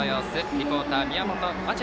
リポーター宮本真智